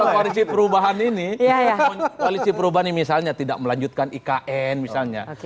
kalau koalisi perubahan ini misalnya tidak melanjutkan ikn misalnya